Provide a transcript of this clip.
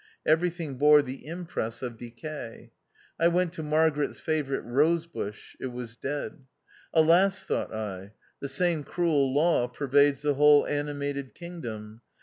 Everything bore the impress of decay. I went to Mar garet's favourite rose bush ; it was dead ! Alas ! thought I, the same cruel law per vades the whole animated kingdom.